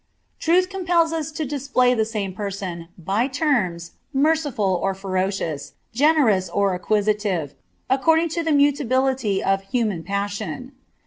Truth eompels os to display the same person, by turns, merciful or ferocious, fMierous or acquisitive, according to the mutability of human passion.